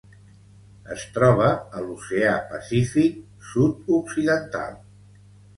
Es troba a l'Oceà Pacífic sud-occidental: